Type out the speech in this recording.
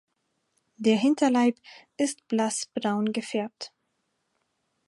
Der Hinterleib ist blass braun gefärbt.